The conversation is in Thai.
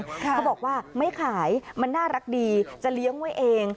เขาบอกว่าไม่ขายมันน่ารักดีจะเลี้ยงไว้เอง